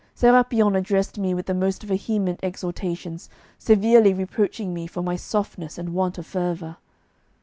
Sérapion addressed me with the most vehement exhortations, severely reproaching me for my softness and want of fervour.